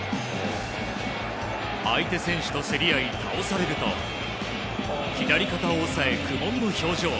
相手選手と競り合い、倒されると左肩を押さえ、苦悶の表情。